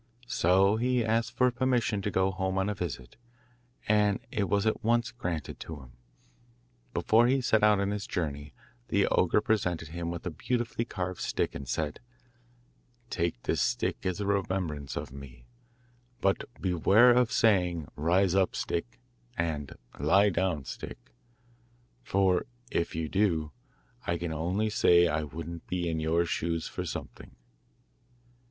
So he asked for permission to go home on a visit, and it was at once granted to him. Before he set out on his journey the ogre presented him with a beautifully carved stick and said, 'Take this stick as a remembrance of me; but beware of saying, "Rise up, Stick," and "Lie down, Stick," for if you do, I can only say I wouldn't be in your shoes for something.